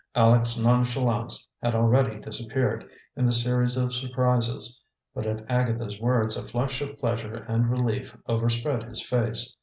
Aleck's nonchalance had already disappeared, in the series of surprises; but at Agatha's words a flush of pleasure and relief overspread his face.